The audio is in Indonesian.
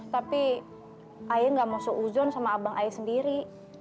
tapi ayah gak mau seuzon sama abang ayah sendiri